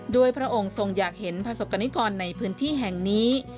พระองค์ทรงอยากเห็นประสบกรณิกรในพื้นที่แห่งนี้